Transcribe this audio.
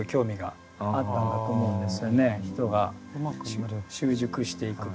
人が習熟していくとか。